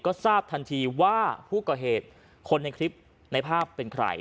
ก็ทราบทันทีว่าผู้ก่อเหตุคนในคลิปในภาพเป็นใคร